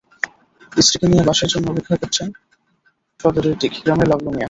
স্ত্রীকে নিয়ে বাসের জন্য অপেক্ষা করছেন সদরের দিঘি গ্রামের লাভলু মিয়া।